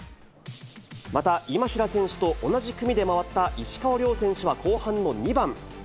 また、今平選手と同じ組で回った石川遼選手は後半の２番。